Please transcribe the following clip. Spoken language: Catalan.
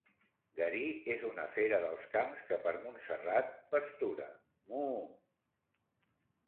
Garí és una fera dels camps que per Montserrat pastura. Muuu!